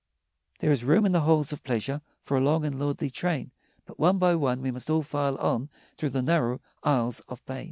There is room in the halls of pleasure For a long and lordly train; But one by one We must all file on Through the narrow aisles of pain.